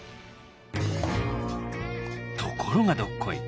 ところがどっこい。